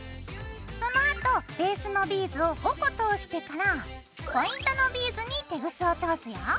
そのあとベースのビーズを５個通してからポイントのビーズにテグスを通すよ。